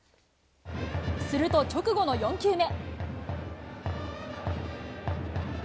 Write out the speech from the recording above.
すると、直後の４球目。